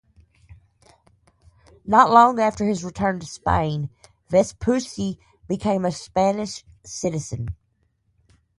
Not long after his return to Spain, Vespucci became a Spanish citizen.